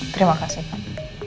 terima kasih pak